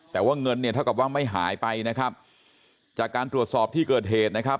แต่ว่าเงินเนี่ยเท่ากับว่าไม่หายไปนะครับจากการตรวจสอบที่เกิดเหตุนะครับ